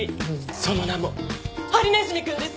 その名も「ハリネズミ君」です！